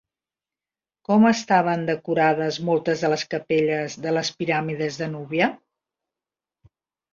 Com estaven decorades moltes de les capelles de les piràmides de Núbia?